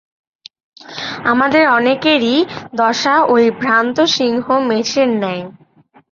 আমাদের অনেকেরই দশা ঐ ভ্রান্ত সিংহ-মেষের ন্যায়।